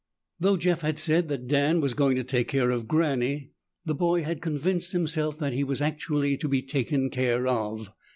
Though Jeff had said that Dan was going to take care of Granny, the boy had convinced himself that he was actually to be taken care of.